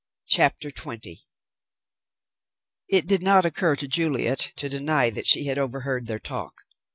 CHAPTER XX It did not occur to Juliet to deny that she had overheard their talk.